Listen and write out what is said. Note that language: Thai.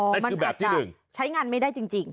มันแบบจะใช้งานไม่ได้จริง